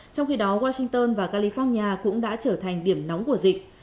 trong khi đó washington và california cũng đã trở thành điểm nóng của dịch